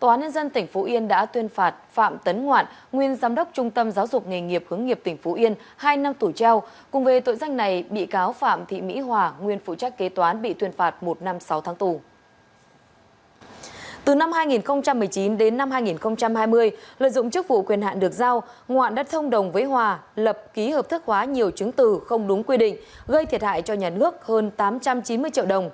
từ năm hai nghìn một mươi chín đến năm hai nghìn hai mươi lợi dụng chức vụ quyền hạn được giao ngoạn đất thông đồng với hòa lập ký hợp thức hóa nhiều chứng từ không đúng quy định gây thiệt hại cho nhà nước hơn tám trăm chín mươi triệu đồng